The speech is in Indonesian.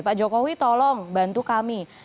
pak jokowi tolong bantu kami